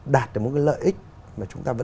đạt được một cái lợi ích mà chúng ta